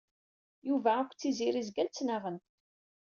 Yuba akked Tiziri zgan ttnaɣen.